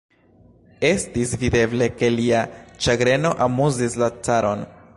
Estis videble, ke lia ĉagreno amuzis la caron.